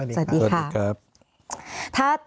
สวัสดีครับ